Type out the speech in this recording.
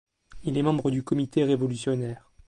Il est membre du Comité révolutionnaire.